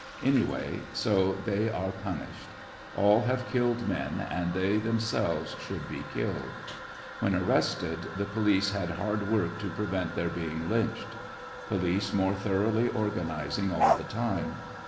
Any way, so they are punished. All have killed men, and they themselves should be killed. AVhen arrested, the police had hard work to prevent their being lynched Police more thoroughly organizing all the time.